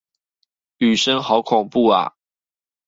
雨聲好恐怖啊！